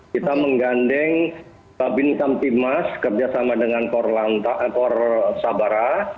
kita menggandeng babin samtimas kerjasama dengan kor sabara